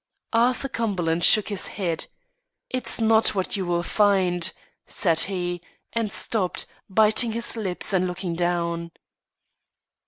Arthur Cumberland shook his head. "It's not what you will find " said he, and stopped, biting his lips and looking down.